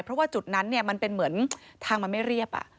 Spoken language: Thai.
เพราะว่าจุดนั้นมันเป็นเหมือนทางมันไม่เรียบ